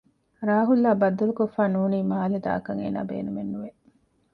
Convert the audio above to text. ރާހުލްއާ ބައްދަލުކޮށްފައި ނޫނީ މާލެ ދާކަށް އޭނާ ބޭނުމެއް ނުވެ